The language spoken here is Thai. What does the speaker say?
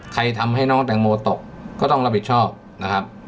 ทำให้น้องแตงโมตกก็ต้องรับผิดชอบนะครับ